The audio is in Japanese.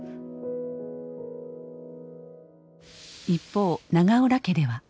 一方永浦家では。